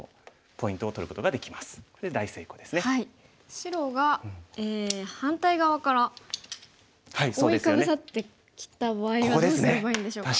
白が反対側から覆いかぶさってきた場合はどうすればいいんでしょうか。